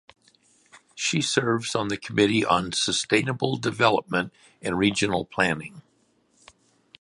She serves on the Committee on Sustainable Development and Regional Planning.